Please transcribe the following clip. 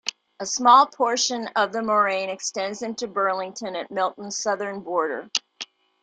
A small portion of the moraine extends into Burlington at Milton's southern border.